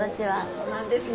そうなんですね。